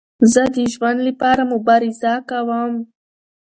زه د ژوند له پاره مبارزه کوم.